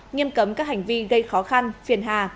nghiêm cấm các hành vi gây khó khăn phiền hà